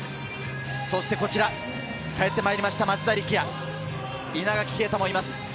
そしてこちら、帰ってまいりました、松田力也、稲垣啓太もいます。